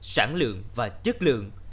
sản lượng và chất lượng